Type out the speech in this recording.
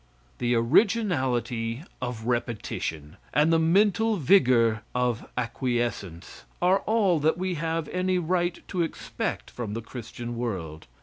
The originality of repetition, and the mental vigor of acquiescence, are all that we have any right to expect from the Christian world.